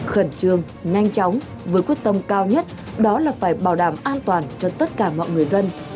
khẩn trương nhanh chóng với quyết tâm cao nhất đó là phải bảo đảm an toàn cho tất cả mọi người dân